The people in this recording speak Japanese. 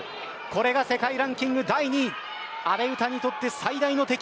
これが世界ランキング第２位阿部詩にとって最大の敵